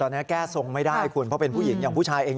ตอนนี้แก้ทรงไม่ได้คุณเพราะเป็นผู้หญิงอย่างผู้ชายเอง